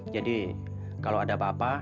kalau ada apa apa